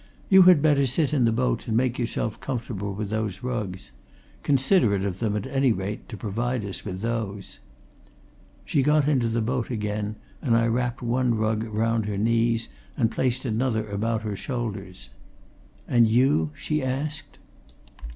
You had better sit in the boat and make yourself comfortable with those rugs. Considerate of them, at any rate, to provide us with those!" She got into the boat again and I wrapped one rug round her knees and placed another about her shoulders. "And you?" she asked.